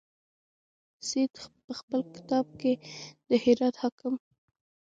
سید په خپل کتاب کې د هرات حاکم.